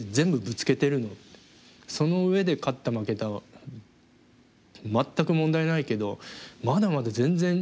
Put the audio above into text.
「その上で勝った負けたは全く問題ないけどまだまだ全然みんなできるよ」